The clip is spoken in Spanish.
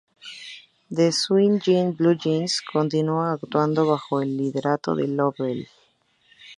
The Swinging Blue Jeans continúan actuando bajo el liderato de Lovell.